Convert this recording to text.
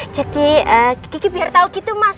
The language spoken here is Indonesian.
jadi geki biar tahu gitu mas